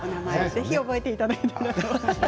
ぜひ覚えていただいて。